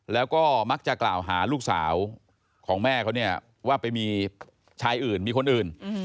แล้วก็มักจะกล่าวหาลูกสาวของแม่เขาเนี่ยว่าไปมีชายอื่นมีคนอื่น